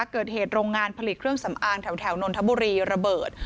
เกิดเหตุโรงงานผลิตเครื่องสำอางแถวนนทบุรีระเบิด